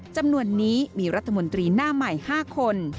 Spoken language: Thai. จำนวนนี้มีรัฐมนตรีหน้าใหม่๕คน